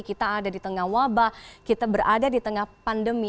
kita ada di tengah wabah kita berada di tengah pandemi